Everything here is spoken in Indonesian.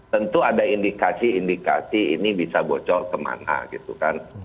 tentu ada indikasi indikasi ini bisa bocor kemana gitu kan